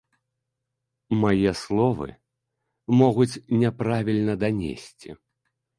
Мае словы могуць няправільна данесці.